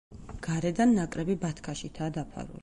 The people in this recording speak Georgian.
გარედან ნაკრები ბათქაშითაა დაფარული.